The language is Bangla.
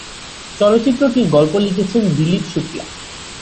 চলচ্চিত্রটির গল্প লিখেছেন দিলীপ শুক্লা।